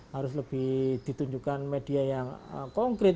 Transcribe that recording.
harus lebih ditunjukkan media yang konkret